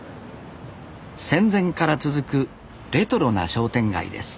戦前から続くレトロな商店街です